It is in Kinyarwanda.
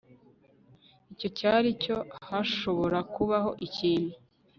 Icyo cyari cyo Hashobora kubaho ikintu